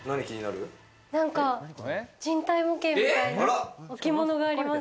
人体模型みたいなの、置物があります。